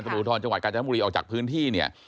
ตำรวจภูทรจังหวัดกาญจนบุรีออกจากพื้นที่เนี่ย